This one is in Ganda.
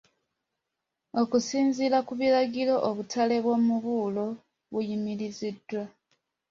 Okusinziira ku biragiro, obutale bw’omubuulo buyimiriziddwa.